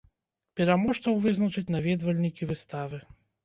Пераможцаў вызначаць наведвальнікі выставы.